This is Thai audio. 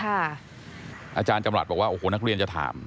อาจารย์จำรัฐบอกว่าโอ้โหนักเรียนจะถาม